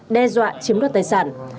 đe dọa chiếm đoạt tài sản